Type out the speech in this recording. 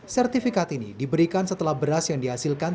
sertifikat ini diberikan setelah beras yang dihasilkan